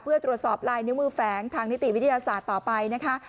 เพื่อตรวจสอบลายนิ้วมือแฝงทางนิติวิทยาศาสตร์ต่อไปนะคะ